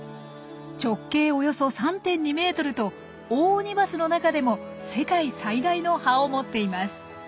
直径およそ３．２ｍとオオオニバスの中でも世界最大の葉を持っています。